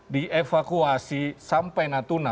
dievakuasi sampai nanti